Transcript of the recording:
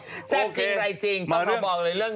โอลี่คัมรี่ยากที่ใครจะตามทันโอลี่คัมรี่ยากที่ใครจะตามทัน